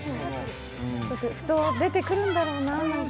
ふと出てくるんだろうな。